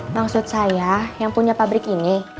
maksud saya yang punya pabrik ini